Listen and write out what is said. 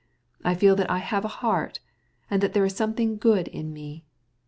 I feel that I have a heart, and that there is a great deal of good in me.